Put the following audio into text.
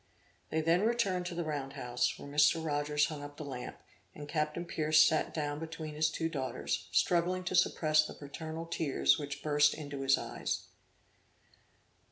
They then returned to the round house, where Mr. Rogers hung up the lamp, and Captain Pierce sat down between his two daughters, struggling to suppress the parental tears which burst into his eyes.